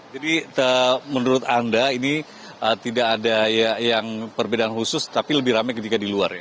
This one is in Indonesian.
jadi menurut anda ini tidak ada yang perbedaan khusus tapi lebih rame ketika di luar ya